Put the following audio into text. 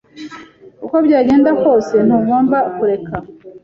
uko byagenda kose, ntugomba kureka.